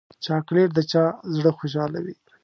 چاکلېټ د چا زړه خوشحالوي.